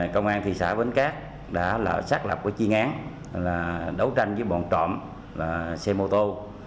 công an thị xã bến cát đã xác lập chi ngán đấu tranh với bọn trộm xe mô tô